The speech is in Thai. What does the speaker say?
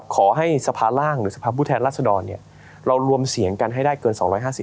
ขอให้สภาร่างหรือสภาพผู้แทนรัศดรเรารวมเสียงกันให้ได้เกิน๒๕๐